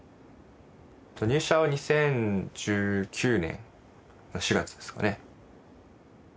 入社は２０１９年の４月ですかね。